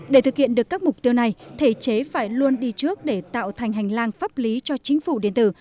để thực hiện được các mục tiêu này thể chế phải luôn đi trước để tạo thành hành lang pháp lý cho chính phủ điện tử